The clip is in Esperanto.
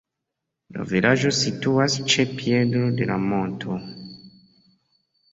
La vilaĝo situas ĉe piedo de la monto.